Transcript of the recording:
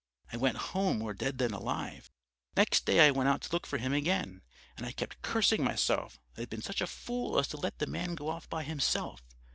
I went home more dead than alive. Next day I went out to look for him again. And I kept cursing myself that I'd been such a fool as to let the man go off by himself.